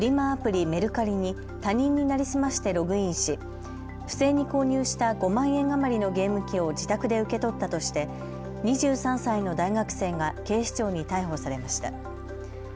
アプリ、メルカリに他人に成り済ましてログインし不正に購入した５万円余りのゲーム機を自宅で受け取ったとして２３歳の大学生が警視庁に逮捕されました。